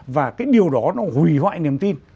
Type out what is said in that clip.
và cái điều đó nó hủy hoại niềm tin